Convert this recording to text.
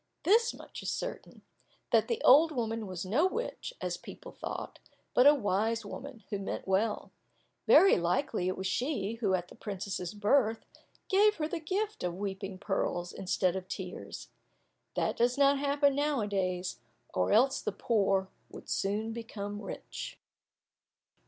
This much is certain, that the old woman was no witch, as people thought, but a wise woman, who meant well. Very likely it was she who, at the princess's birth, gave her the gift of weeping pearls instead of tears. That does not happen now a days, or else the poor would soon become rich.